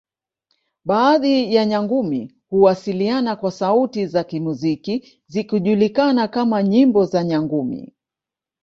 Baadhi ya Nyangumi huwasiliana kwa sauti za kimuziki zikijulikana kama nyimbo za Nyangumi